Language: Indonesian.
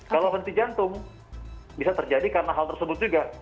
kalau henti jantung bisa terjadi karena hal tersebut juga